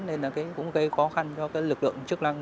nên là cũng gây khó khăn cho cái lực lượng chức năng